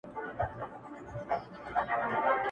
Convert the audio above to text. که ما اورې بل به نه وي، ځان هم نه سې اورېدلای!!